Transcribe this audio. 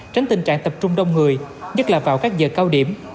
tránh tình trạng tập trung đông người nhất là vào các giờ cao điểm